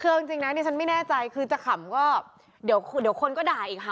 คือเอาจริงนะดิฉันไม่แน่ใจคือจะขำก็เดี๋ยวคนก็ด่าอีกค่ะ